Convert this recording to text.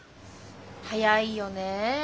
早いよね